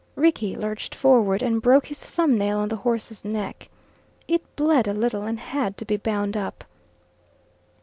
Rickie lurched forward, and broke his thumb nail on the horse's neck. It bled a little, and had to be bound up.